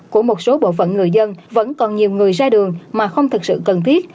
của một số bộ phận người dân vẫn còn nhiều người ra đường mà không thực sự cần thiết